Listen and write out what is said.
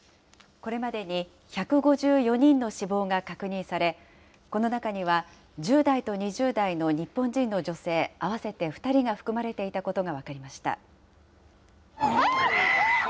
これまでに１５４人の死亡が確認され、この中には、１０代と２０代の日本人の女性合わせて２人が含まれていたことが分かりました。